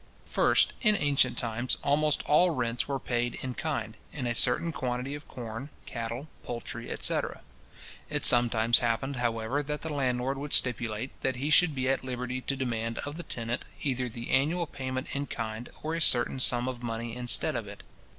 First, in ancient times, almost all rents were paid in kind; in a certain quantity of corn, cattle, poultry, etc. It sometimes happened, however, that the landlord would stipulate, that he should be at liberty to demand of the tenant, either the annual payment in kind or a certain sum of money instead of it.